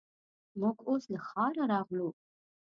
موږ اوس له ښاره راغلو.